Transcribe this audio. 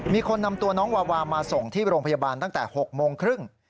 มีคนนำตัวน้องวาวามาส่งที่โรงพยาบาลตั้งแต่๖โมงครึ่ง